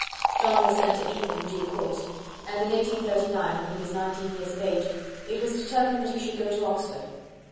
John was sent to Eton in due course, and in 1839, when he was nineteen years of age, it was determined that he should go to Oxford.